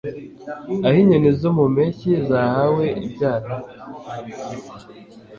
Aho inyoni zo mu mpeshyi zahawe ibyana